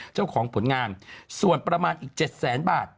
เจ้าของผลงานส่วนประมาณอีก๗แสนบาท